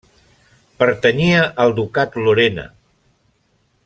Pertanyia al Ducat Lorena.